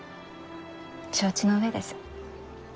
承知の上です。